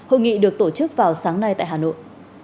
hội nghị được tổ chức vào sáng nay tại hà nội